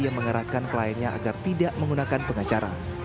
yang mengerahkan kliennya agar tidak menggunakan pengacara